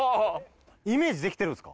イメージできてるんですか？